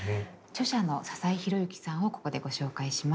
著者の笹井宏之さんをここでご紹介します。